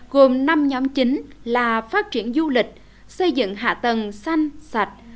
gồm năm nhóm chính là phát triển du lịch xây dựng hạ tầng xanh sạch